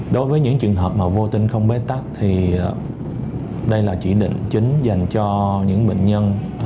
đối với những trường hợp mà vô tinh không bế tắc thì đây là chỉ định chính dành cho những bệnh nhân